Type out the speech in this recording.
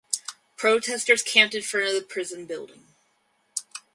Protesters camped in front of the prison building.